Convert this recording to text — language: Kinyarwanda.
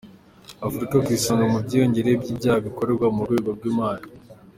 Afurika ku isonga mu bwiyongere bw’ibyaha bikorerwa mu rwego rw’imari.